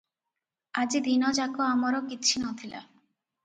ଆଜି ଦିନଯାକ ଆମର କିଛି ନ ଥିଲା ।